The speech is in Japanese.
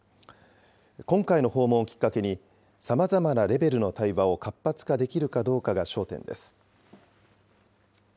今回の訪問をきっかけに、さまざまなレベルの対話を活発化できるかどうかが焦点です。